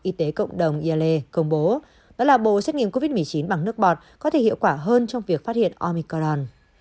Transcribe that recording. y tế cộng đồng ielle công bố đó là bộ xét nghiệm covid một mươi chín bằng nước bọt có thể hiệu quả hơn trong việc phát hiện omicron